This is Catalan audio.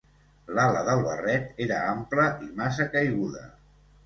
L'ala del barret era ampla i massa caiguda.